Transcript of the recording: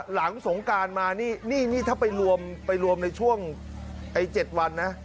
หลังสงการมานี่นี่ถ้าไปรวมไปรวมในช่วง๗วันนะ